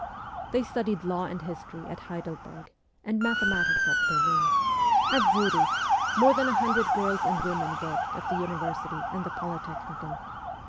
They studied law and history at Heidelberg, and mathematics at Berlin ; at Zurich more than a hundred girls and women worked at the University and the Polytechnicum.